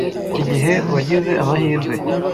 Iki gihe wagize amahirwe.